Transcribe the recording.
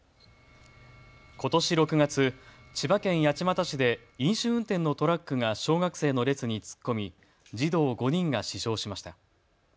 ことし６月、千葉県八街市で飲酒運転のトラックが小学生の列に突っ込み児童５人が死傷しました。